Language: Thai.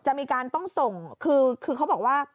จะมีการต้องส่งคือเขาบอกว่า